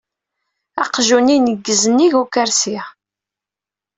Aqjun ineggez nnig ukersi.